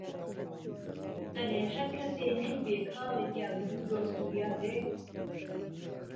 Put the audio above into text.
ئهرێ ههر کهسێ نهیبێ کاڵێ گیان دوو دۆست و یارێ